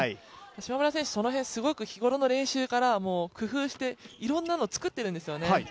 島村選手、その辺、日頃の練習から工夫していろんなのを作っているんですよね。